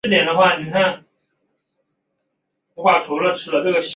条裂叶报春为报春花科报春花属下的一个种。